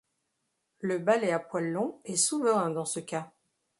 Le balai à poils longs est souverain dans ce cas